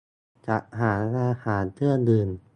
-จัดหาอาหาร-เครื่องดื่ม